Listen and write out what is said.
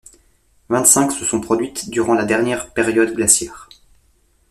Vingt-cinq se sont produites durant la dernière période glaciaire.